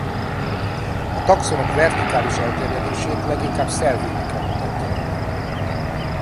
A taxonok vertikális elterjedését leginkább szelvényeken mutatják be.